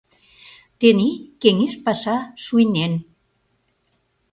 Тений кеҥеж паша шуйнен.